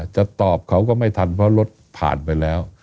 จะตอบเขาก็ไม่ทันเพราะรถผ่านไปแล้ว